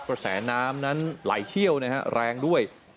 กระแสน้ำนั้นไหลเชี่ยวนะฮะแรงด้วย